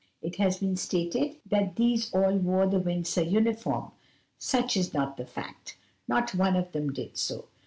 It has been stated that these all wore the Windsor uniform; such is not the fact; not one of them did so.